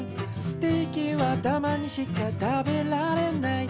「ステーキはたまにしか食べられない」